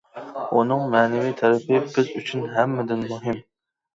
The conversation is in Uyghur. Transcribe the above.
ئۇنىڭ مەنىۋى تەرىپى بىز ئۈچۈن ھەممىدىن مۇھىم.